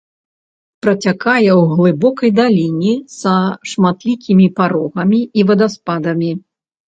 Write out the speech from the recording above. Працякае ў глыбокай даліне, са шматлікімі парогамі і вадаспадамі.